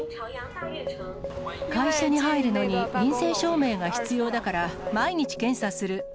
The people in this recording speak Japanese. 会社に入るのに陰性証明が必要だから、毎日検査する。